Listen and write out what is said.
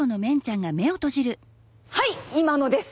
はい今のです！